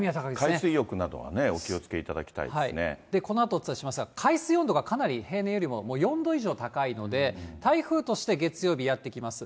海水浴などはね、このあとお伝えしますが、海水温度がかなり平年よりももう４度以上高いので、台風として月曜日やって来ます。